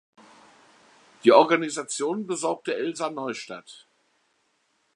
Die Organisation besorgte Elsa Neustadt.